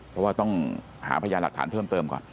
เพราะว่าต้องหาพยานหลักฐานเพิ่มเติมก่อน